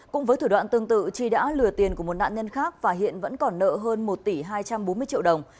cũng với thủ đoạn tương tự chi đã lừa tiền của một nạn nhân khác và hiện vẫn còn nợ hơn một tỷ hai trăm bốn mươi triệu đồng